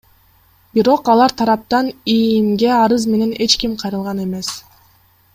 Бирок алар тараптан ИИМге арыз менен эч ким кайрылган эмес.